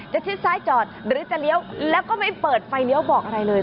ชิดซ้ายจอดหรือจะเลี้ยวแล้วก็ไม่เปิดไฟเลี้ยวบอกอะไรเลย